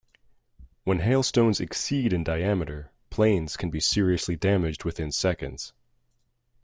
When hailstones exceed in diameter, planes can be seriously damaged within seconds.